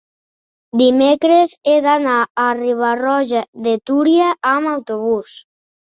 Dimecres he d'anar a Riba-roja de Túria amb autobús.